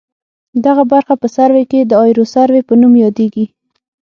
دغه برخه په سروې کې د ایروسروې په نوم یادیږي